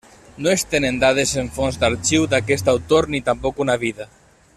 No es tenen dades en fonts d'arxiu d'aquest autor ni tampoc una vida.